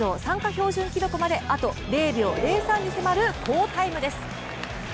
標準記録まであと０秒０３に迫る好タイムです。